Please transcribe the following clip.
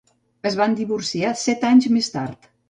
Es van divorciar set anys més tard.